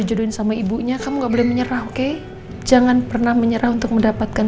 jodohin sama ibunya kamu nggak boleh menyerah oke jangan pernah menyerah untuk mendapatkan